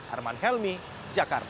arman helmi jakarta